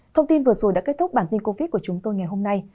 thông tin vừa rồi đã kết thúc bản tin covid của chúng tôi ngày hôm nay